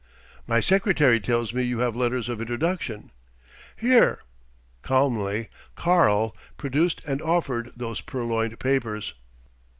"My secretary tells me you have letters of introduction...." "Here." Calmly "Karl" produced and offered those purloined papers.